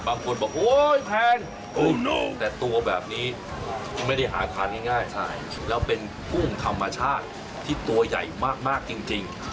บางคนบอกโอ๊ยแพงกุ้งแต่ตัวแบบนี้ไม่ได้หาทานง่ายแล้วเป็นกุ้งธรรมชาติที่ตัวใหญ่มากจริง